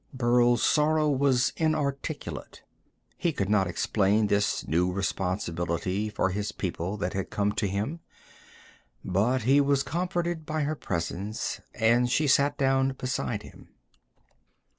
Burl's sorrow was inarticulate he could not explain this new responsibility for his people that had come to him but he was comforted by her presence, and she sat down beside him.